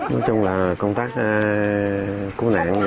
nói chung là công tác cứu nạn